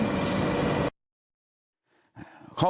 หน้าเริง